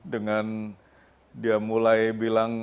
dengan dia mulai bilang